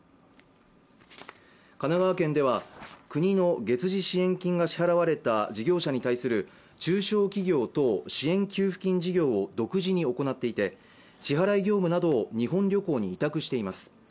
神奈川県では国の月次支援金が支払われた事業者に対する中小企業等支援給付金事業を独自に行っていて支払業務など日本旅行に委託しています